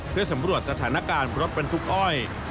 เพื่อสำรวจสถานการณ์รถบรรทุกอ้อย